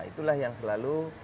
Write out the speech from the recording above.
itulah yang selalu